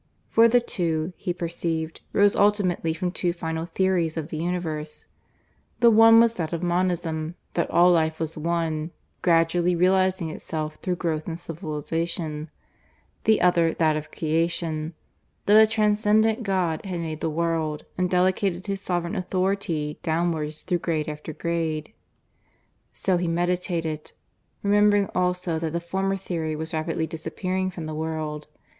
For the two, he perceived, rose ultimately from two final theories of the universe: the one was that of Monism that all life was one, gradually realizing itself through growth and civilization; the other that of Creation that a Transcendent God had made the world, and delegated His sovereign authority downwards through grade after grade. So he meditated, remembering also that the former theory was rapidly disappearing from the world.